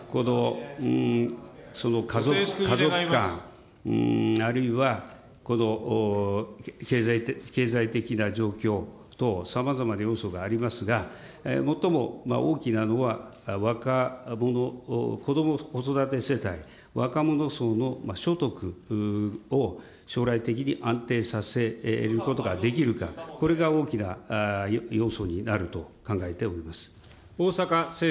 家族観、あるいは、経済的な状況等、さまざまな要素がありますが、最も大きなのは、若者、こども・子育て世代、若者層の所得を将来的に安定させることができるか、これが大きな要素になると考えております。